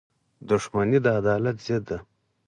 • دښمني د عدالت ضد ده.